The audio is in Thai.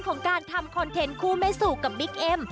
ของการทำคอนเทนต์คู่แม่สู่กับบิ๊กเอ็ม